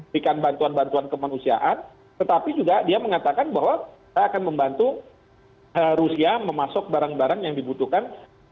berikan bantuan bantuan kemanusiaan tetapi juga dia mengatakan bahwa kita akan membantu rusia memasuk barang barang yang dibutuhkan